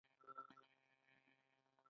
آزاد تجارت مهم دی ځکه چې نړۍ سره اړیکې جوړوي.